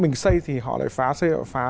mình xây thì họ lại phá xây họ phá